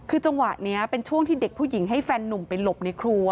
คือจังหวะนี้เป็นช่วงที่เด็กผู้หญิงให้แฟนนุ่มไปหลบในครัว